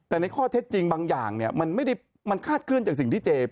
แต่ในข้อเท็จจริงบางอย่างเนี่ยมันไม่ได้มันคาดเคลื่อนจากสิ่งที่เจ